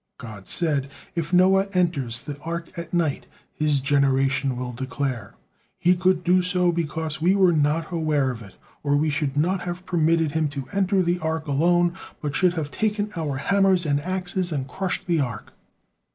God said: "If Noah enters the ark at night, his generation will declare: 'He could do so because we were not aware of it, or we should not have permitted him to enter the ark alone, but should have taken our hammers and axes, and crushed the ark.'